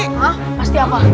hah pasti apa